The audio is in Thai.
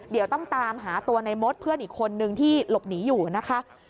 เดี๋ยวต้องตามหาตัวในมดเพื่อนอีกคนนึงที่หลบหนีอยู่นะคะ